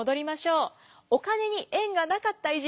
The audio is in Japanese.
お金に縁がなかった偉人